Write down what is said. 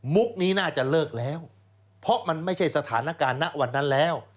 นี้น่าจะเลิกแล้วเพราะมันไม่ใช่สถานการณ์ณวันนั้นแล้ว